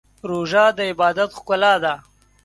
روژه د عبادت ښکلا ده.